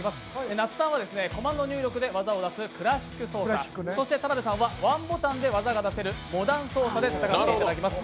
那須さんはコマンド入力で技を出すクラシック操作、そして田辺さんはワンボタンで操作ができるモダン操作で戦っていただきます。